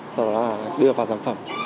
sau đó là đưa vào sản phẩm